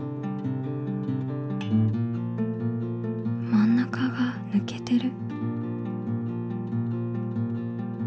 まん中がぬけてる。